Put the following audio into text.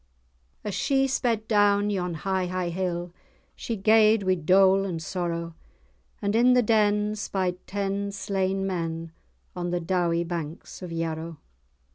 As she sped down yon high, high hill, She gaed wi' dole and sorrow, And in the den spied ten slain men, On the dowie banks of Yarrow.